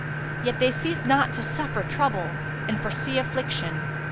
Yet they ceased not to suffer trouble and foresee affliction.